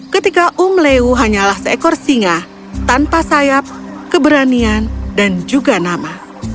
ketika umleu hanyalah seekor singa tanpa sayap keberanian dan juga nama